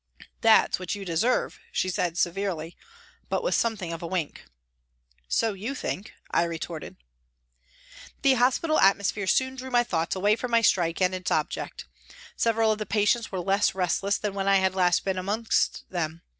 " That's what you deserve," she said, severely, but with something of a wink. " So you think," I retorted. The hospital atmosphere soon drew my thoughts away from my strike and its object. Several of the patients were less restless than when I had last been amongst them.